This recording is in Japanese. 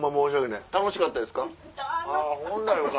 楽しかったですか？